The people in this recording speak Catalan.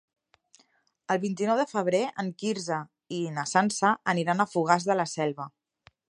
El vint-i-nou de febrer en Quirze i na Sança aniran a Fogars de la Selva.